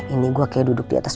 ini gue kayak duduk di atas